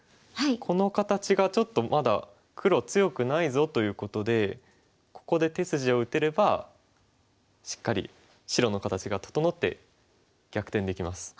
この形がちょっとまだ黒強くないぞということでここで手筋を打てればしっかり白の形が整って逆転できます。